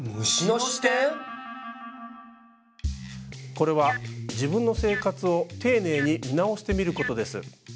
これは自分の生活を丁寧に見直してみることです。